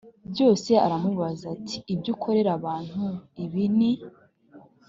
byose aramubaza ati ibyo ukorera abantu ibi ni